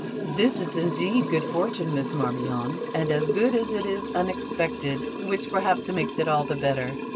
"This is indeed good fortune, Miss Marmion, and as good as it is unexpected which, perhaps makes it all the better!